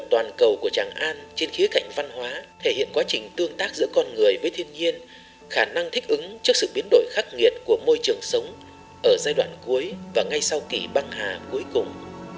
toàn cầu của tràng an trên khía cạnh văn hóa thể hiện quá trình tương tác giữa con người với thiên nhiên khả năng thích ứng trước sự biến đổi khắc nghiệt của môi trường sống ở giai đoạn cuối và ngay sau kỳ băng hà cuối cùng